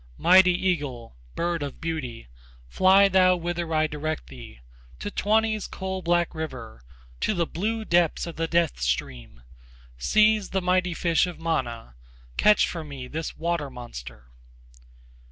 Mighty eagle, bird of beauty, Fly thou whither I direct thee, To Tuoni's coal black river, To the blue depths of the Death stream, Seize the mighty fish of Mana, Catch for me this water monster.